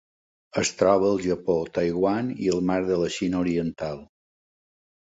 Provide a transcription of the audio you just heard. Es troba al Japó, Taiwan i el Mar de la Xina Oriental.